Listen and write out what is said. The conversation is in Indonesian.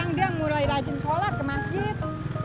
baju yang bagus kalau sholat ke masjid